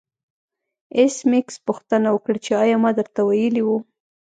ایس میکس پوښتنه وکړه چې ایا ما درته ویلي وو